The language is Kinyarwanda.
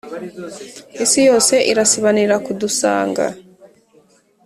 Isi yose irasibanira kudusanga